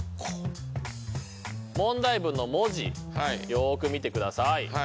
問題文の文字よく見てください。